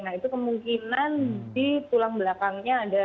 nah itu kemungkinan di tulang belakangnya ada